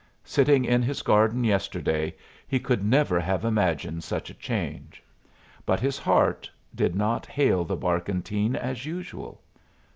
Sitting in his garden yesterday he could never have imagined such a change. But his heart did not hail the barkentine as usual.